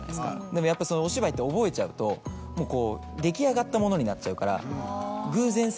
でもやっぱお芝居って覚えちゃうと出来上がったものになっちゃうから。